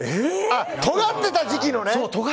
とがってた時期のね。